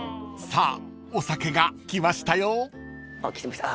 ［さあお酒が来ましたよ］